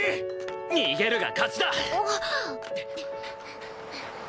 逃げるが勝ちだ！